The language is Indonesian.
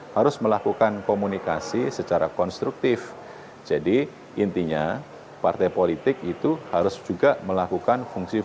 harus melakukan komunikasi secara konstruktif jadi intinya partai politik itu harus juga melakukan fungsi fungsi